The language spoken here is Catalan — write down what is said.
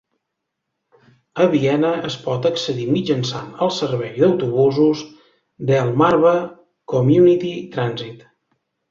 A Viena es pot accedir mitjançant el servei d"autobusos Delmarva Community Transit.